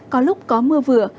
có lúc có mưa vừa